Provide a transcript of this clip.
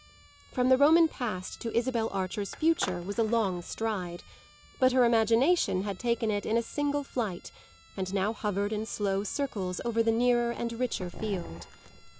From the Roman past to Isabel Archer's future was a long stride, but her imagination had taken it in a single flight and now hovered in slow circles over the nearer and richer field.